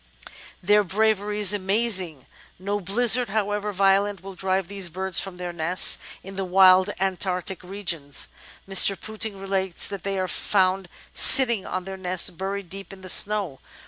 Their bravery is amazing; no blizzard, however vio lent, will drive these birds from their nests in the wild Antarctic regions. Mr. Pouting relates that they are found sitting on their nests buried deep in the snow.